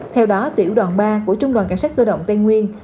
theo đó tiểu đoàn ba của trung đoàn cảnh sát cơ động tây nguyên